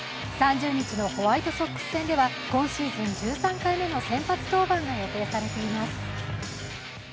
３０日のホワイトソックス戦では今シーズン１３回目の先発登板が予定されています。